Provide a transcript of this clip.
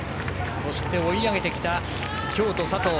そして追い上げてきた京都の佐藤。